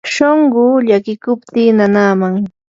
shunquu llakiykupti nanaman.